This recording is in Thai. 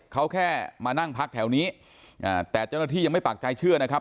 เขาแค่มานั่งพักแถวนี้แต่เจ้าหน้าที่ยังไม่ปากใจเชื่อนะครับ